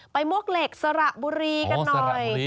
มวกเหล็กสระบุรีกันหน่อย